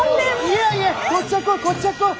いやいやこっちゃ来うこっちゃ来う。